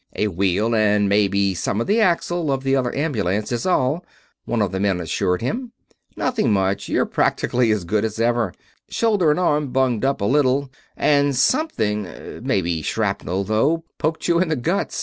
"A wheel, and maybe some of the axle, of the other ambulance, is all," one of the men assured him. "Nothing much; you're practically as good as ever. Shoulder and arm bunged up a little and something maybe shrapnel, though poked you in the guts.